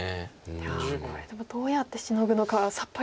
いやこれでもどうやってシノぐのかがさっぱり。